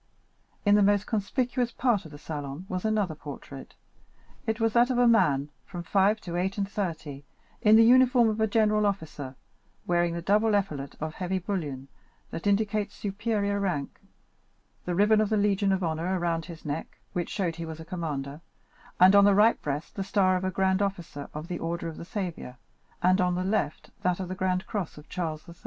In the most conspicuous part of the salon was another portrait. It was that of a man, from five to eight and thirty, in the uniform of a general officer, wearing the double epaulet of heavy bullion, that indicates superior rank, the ribbon of the Legion of Honor around his neck, which showed he was a commander, and on the right breast, the star of a grand officer of the order of the Saviour, and on the left that of the grand cross of Charles III.